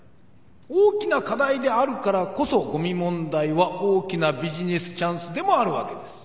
大きな課題であるからこそゴミ問題は大きなビジネスチャンスでもあるわけです。